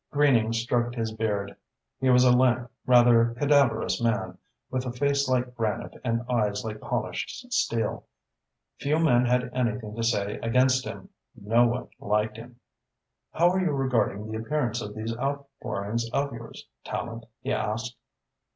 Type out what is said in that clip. Greening stroked his beard. He was a lank, rather cadaverous man, with a face like granite and eyes like polished steel. Few men had anything to say against him. No one liked him. "How are you regarding the appearance of these outpourings of yours, Tallente?" he asked.